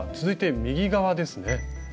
続いて右側ですね。